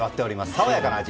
爽やかな味。